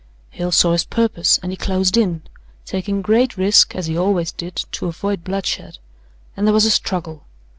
Hale saw his purpose, and he closed in, taking great risk, as he always did, to avoid bloodshed, and there was a struggle.